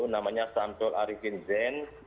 namanya samtul arivindzen